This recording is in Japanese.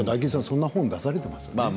そんな本、出されていますよね。